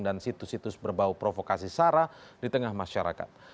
dan situs situs berbau provokasi sara di tengah masyarakat